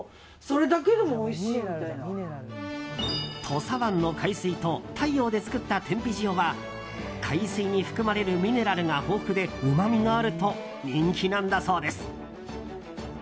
土佐湾の海水と太陽で作った天日塩は海水に含まれるミネラルが豊富でうまみがあると人気なんだそうです。